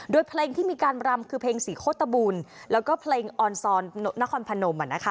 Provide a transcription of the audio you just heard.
โดยเพลงที่มีการรำคือเพลงศรีโคตบูลแล้วก็เพลงออนซอนนครพนม